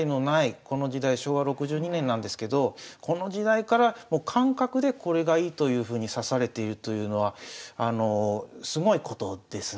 昭和６２年なんですけどこの時代からもう感覚でこれがいいというふうに指されているというのはすごいことですね。